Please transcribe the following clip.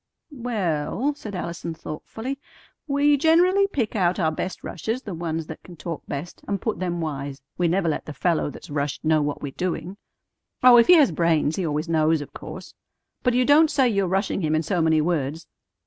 "Well," said Allison thoughtfully, "we generally pick out our best rushers, the ones that can talk best, and put them wise. We never let the fellow that's rushed know what we're doing. Oh, if he has brains, he always knows, of course; but you don't say you're rushing him in so many words.